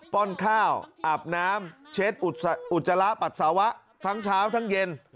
้อนข้าวอาบน้ำเช็ดอุจจาระปัสสาวะทั้งเช้าทั้งเย็น